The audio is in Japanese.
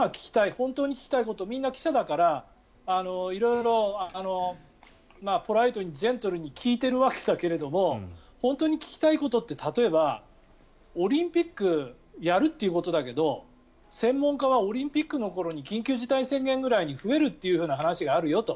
本当に聞きたいことみんな記者だから色々ポライトにジェントルに聞いてるわけだけれども本当に聞きたいことって例えばオリンピックやるってことだけど専門家はオリンピックの頃に緊急事態宣言ぐらいに増えるっていう話があるよと。